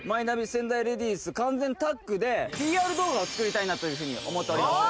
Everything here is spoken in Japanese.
仙台レディース完全タッグでＰＲ動画を作りたいなというふうに思っております